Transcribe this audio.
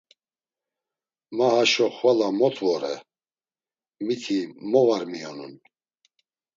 Ma haşo xvala mot vore, miti mo var miyonun!